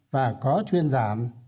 và có thuyên giảm